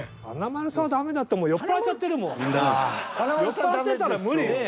酔っ払ってたら無理。